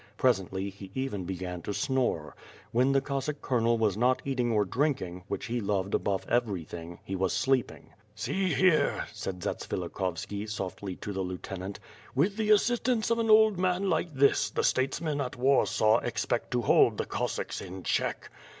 Presently, he even began to snore. When the Cossack Colonel was not eating or drinking (which he loved above everything) he was sleeping. "See here," said Zatsvilikhovski, softly to the lieutenant, "With the assistance of an old man like this, the statesman at Warsaw expect to hold the Cossacks in check.